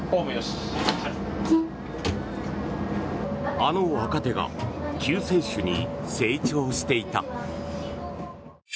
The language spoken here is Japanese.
あの若手が救世主に成長していた。